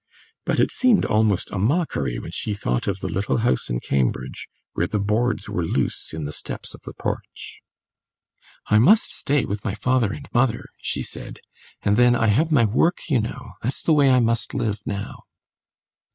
But it seemed almost a mockery when she thought of the little house in Cambridge, where the boards were loose in the steps of the porch. "I must stay with my father and mother," she said. "And then I have my work, you know. That's the way I must live now."